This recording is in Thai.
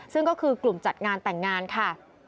ซึ่งก็คือกลุ่มจัดงานแต่งงานค่ะ